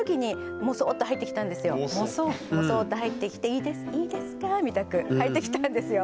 もそっと入ってきて「いいですいいですか？」みたく入ってきたんですよ。